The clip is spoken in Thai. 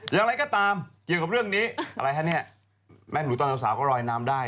ยังไรก็ตามเกี่ยวกับเรื่องนี้แม่หมูตอนเดาสาวก็ลอยน้ำได้